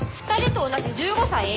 ２人と同じ１５歳。